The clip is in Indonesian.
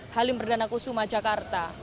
halim berdanaku sumajakarta